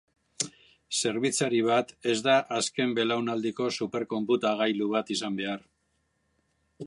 Zerbitzari bat ez da azken belaunaldiko superkonputagailu bat izan behar.